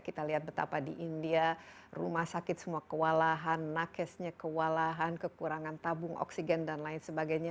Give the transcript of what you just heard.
kita lihat betapa di india rumah sakit semua kewalahan nakesnya kewalahan kekurangan tabung oksigen dan lain sebagainya